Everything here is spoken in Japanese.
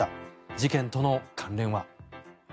事件との関連は。